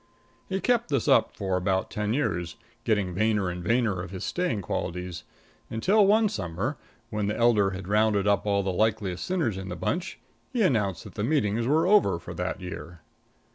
He kept this up for about ten years, getting vainer and vainer of his staying qualities, until one summer, when the Elder had rounded up all the likeliest sinners in the bunch, he announced that the meetings were over for that year.